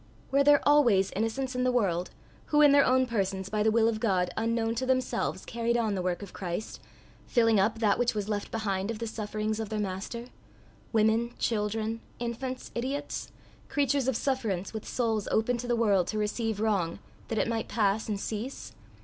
Were there always innocents in the world, who in their own persons, by the will of God, unknown to themselves, carried on the work of Christ, filling up that which was left behind of the sufferings of their Master women, children, infants, idiots creatures of sufferance, with souls open to the world to receive wrong, that it might pass and cease?